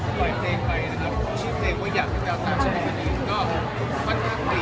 ปล่อยเพลงไปนะครับชื่อเพลงว่าอยากได้เกาะตาชะมัดนี้